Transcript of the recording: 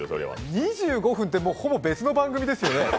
２５分って、ほぼ別の番組ですよね。